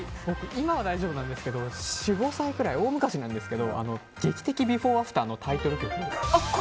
今は大丈夫なんですけど４、５歳ぐらい、大昔「劇的ビフォーアフター」のタイトル曲。